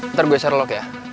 ntar gue serlok ya